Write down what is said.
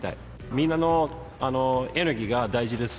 みんなのエネルギーが大事です。